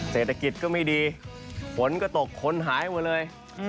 เศรษฐกิจก็ไม่ดีฝนก็ตกคนหายหมดเลย